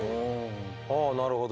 あなるほど。